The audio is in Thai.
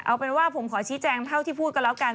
เอาเป็นว่าผมขอชี้แจงเท่าที่พูดกันแล้วกัน